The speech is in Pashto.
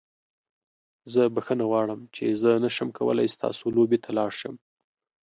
زه بخښنه غواړم چې زه نشم کولی ستاسو لوبې ته لاړ شم.